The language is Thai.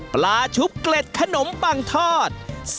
ปลาชุบเกล็ดขนมปังทอด